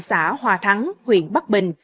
xã hòa thắng huyện bắc bình